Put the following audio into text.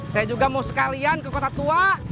saya juga mau sekalian ke kota tua